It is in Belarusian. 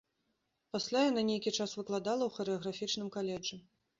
Пасля яна нейкі час выкладала ў харэаграфічным каледжы.